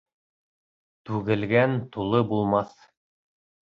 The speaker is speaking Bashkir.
Түгелгән тулы булмаҫ.